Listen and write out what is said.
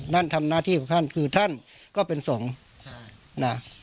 ท่านทำหน้าที่ของท่านคือท่านก็เป็นสงฆ์นะ